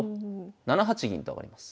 ７八銀と上がります。